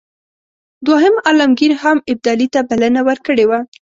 دوهم عالمګیر هم ابدالي ته بلنه ورکړې وه.